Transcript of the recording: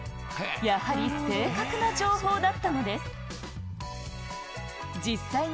やはり、正確な情報だったのです。